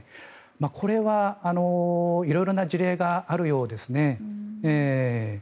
これは色々な事例があるようですね。